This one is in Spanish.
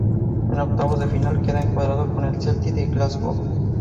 En octavos de final queda encuadrado con el Celtic de Glasgow.